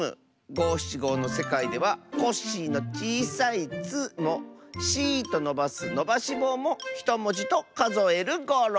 ごしちごのせかいでは「コッシー」のちいさい「ッ」も「シー」とのばすのばしぼうも１もじとかぞえるゴロ！